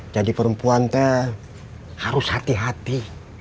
jadi perempuan tuh harus hati hati